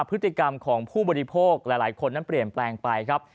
พฤติกรรมของผู้บริโภคหลายคนนั้นเปลี่ยนแปลงไปครับ